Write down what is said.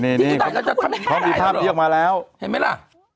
ที่ดูได้เราจะทำให้ให้เลยหรอเห็นไหมล่ะ